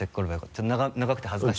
ちょっと長くて恥ずかしい。